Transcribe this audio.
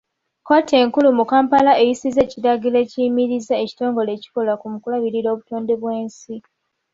Kkooti enkulu mu Kampala eyisizza ekiragiro ekiyimirizza ekitongole ekikola ku kulabirira obutonde bw'ensi.